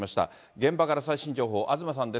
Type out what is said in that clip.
現場から最新情報、東さんです。